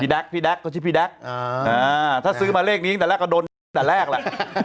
ชื่อพี่แด๊กซ์ก็ชื่อพี่แด๊กซ์ถ้าซื้อมาเลขนี้อย่างเดินแหละก็โดดแบบแรกล่ะ